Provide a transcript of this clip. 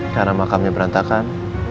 karena makamnya berantakan